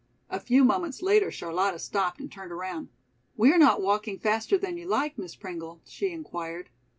A few moments later Charlotta stopped and turned around. "We are not walking faster than you like, Miss Pringle?" she inquired.